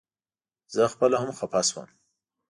زه خپله هم خپه شوم.